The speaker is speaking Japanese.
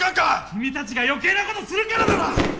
君たちが余計なことするからだろ！